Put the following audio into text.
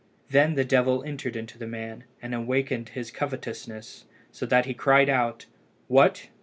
Then the devil entered into the man, and awakened his covetousness, so that he cried out "What!